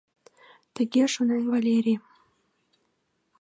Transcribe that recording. Тыге шонен Валерий.